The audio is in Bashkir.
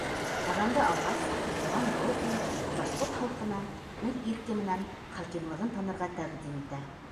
Ҡаҙанды алғас, Иван Грозный башҡорт халҡына үҙ ирке менән хакимлығын танырға тәҡдим итә.